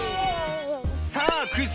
さあクイズ